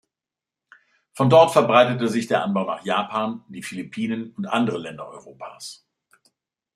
Von dort verbreitete sich der Anbau nach Japan, die Philippinen und andere Länder Europas.